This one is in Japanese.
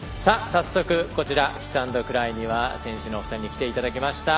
早速こちらキスアンドクライには選手のお二人に来ていただきました。